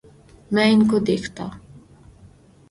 میں ان کو دیکھتا